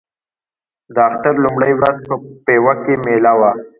د اختر لومړۍ ورځ په پېوه کې مېله وه.